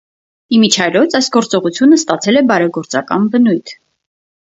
Իմիջիայլոց այս գործողությունը ստացել է բարեգործական բնույթ։